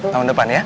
tahun depan ya